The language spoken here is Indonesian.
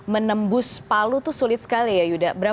menembus palu itu sulit sekali ya yuda